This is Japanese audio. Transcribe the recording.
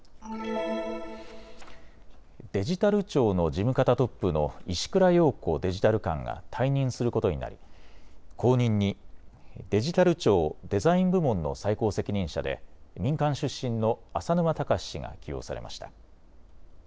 デジタル庁の事務方トップの石倉洋子デジタル監が退任することになり後任にデジタル庁デザイン部門の最高責任者で民間出身の浅沼尚氏が起用されました。